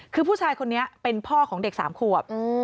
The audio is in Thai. คือผู้ชายคนนี้เป็นพ่อของเด็ก๓ขวบ